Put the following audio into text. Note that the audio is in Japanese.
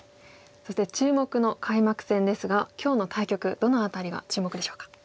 そして注目の開幕戦ですが今日の対局どの辺りが注目でしょうか。